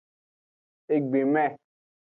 Egbeme.